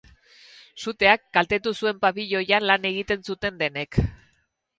Suteak kaltetu zuen pabiloian lan egiten zuten denek.